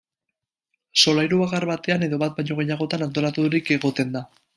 Solairu bakar batean edo bat baino gehiagotan antolaturik egoten da.